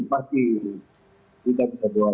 pasti kita bisa jual